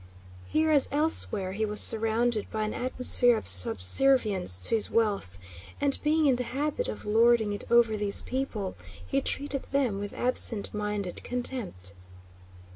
Here, as elsewhere, he was surrounded by an atmosphere of subservience to his wealth, and being in the habit of lording it over these people, he treated them with absent minded contempt.